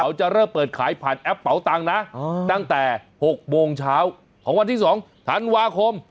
จะเริ่มเปิดขายผ่านแอปเป๋าตังค์นะตั้งแต่๖โมงเช้าของวันที่๒ธันวาคม